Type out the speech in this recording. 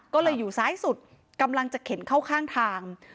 ก็เลยอยู่ซ้ายสุดกำลังจะเข็นเข้าข้างทาง